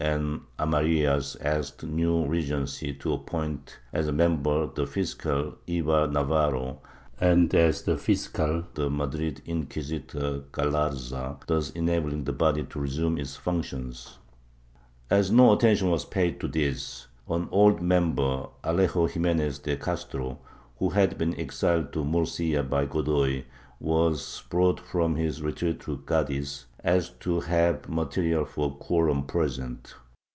408 DECADENCE AND EXTINCTION [Book IX Amarillas asked the new Regency to appoint as a member the fiscal Ibar Navarro and as fiscal the Madrid inquisitor, Galarza, thus enabling the body to resume its functions. As no attention was paid to this, an old member, Alejo Jimenez de Castro, who had been exiled to Murcia by Godoy, was brought from his retreat to Cadiz, so as to have material for a quorum present.